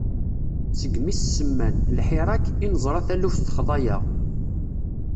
Segmi s-semman "lḥirak", i neẓra taluft texḍa-yaɣ.